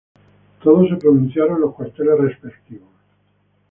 Todos se pronunciaron en los cuarteles respectivos.